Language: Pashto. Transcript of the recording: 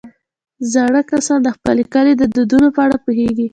زاړه کسان د خپل کلي د دودونو په اړه پوهېږي